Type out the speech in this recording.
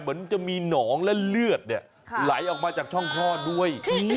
เหมือนจะมีหนองและเลือดเนี่ยไหลออกมาจากช่องคลอดด้วย